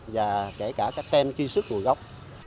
và kể cả các tem chi sức nguồn gốc